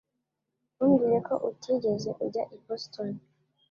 Ntumbwire ko utigeze ujya i Boston